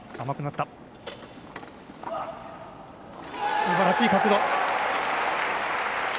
すばらしい角度。